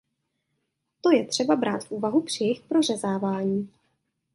To je třeba brát v úvahu při jejich prořezávání.